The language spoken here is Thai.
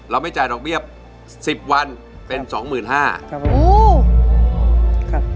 เราไม่จ่ายดอกเบี้ย๑๐วันเป็นสองหมื่นห้า